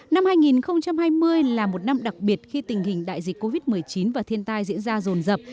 năm hai nghìn hai mươi là một năm đặc biệt khi tình hình đại dịch covid một mươi chín và thiên tai diễn ra rồn rập